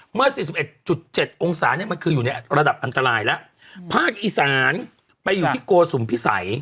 สี่สิบเอ็ดจุดเจ็ดองศาเนี่ยมันคืออยู่ในระดับอันตรายแล้วภาคอีสานไปอยู่ที่โกสุมพิสัย